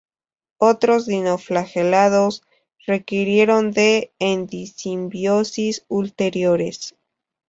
Otros dinoflagelados requirieron de endosimbiosis ulteriores.